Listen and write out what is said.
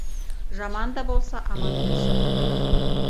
Жаман да болса, аман болсын.